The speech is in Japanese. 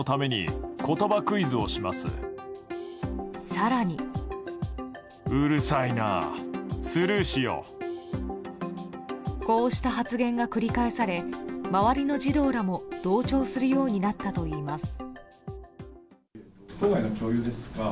更に、こうした発言が繰り返され周りの児童らも同調するようになったといいます。